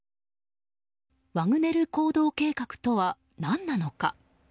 ワグネル行動計画とは何なのか。